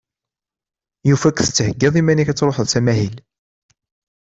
Yufa-k tettheggiḍ iman-ik ad truḥeḍ s amahil.